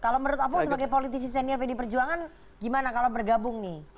kalau menurut apung sebagai politisi senior pd perjuangan gimana kalau bergabung nih